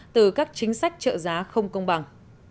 từ các chính sách trợ giá không công bằng